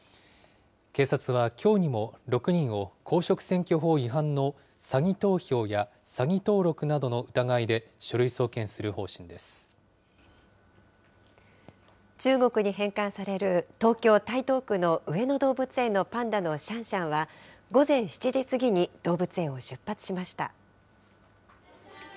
警察はきょうにも、６人を公職選挙法違反の詐偽投票や詐偽登録などの疑いで書類送検中国に返還される東京・台東区の上野動物園のパンダのシャンシャンは、午前７時過ぎに動物園を出発しました。